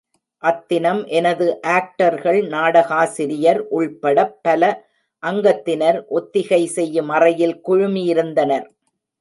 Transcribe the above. அத்தினம் எனது ஆக்டர்கள் நாடகாசிரியர் உள்படப் பல அங்கத்தினர், ஒத்திகை செய்யும் அறையில் குழுமியிருந்தனர்.